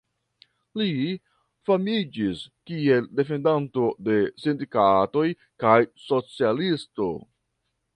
Li famiĝis kiel defendanto de sindikatoj kaj socialisto.